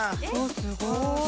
すごい！